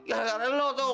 gak ada ada lo tau